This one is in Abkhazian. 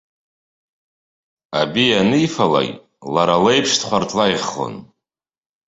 Абиа анифалак, лара леиԥш дхәырҭлаӷьхон.